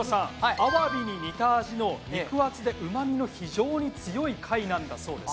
アワビに似た味の肉厚で旨味の非常に強い貝なんだそうです。